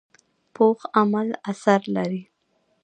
پوخ عمل اثر لري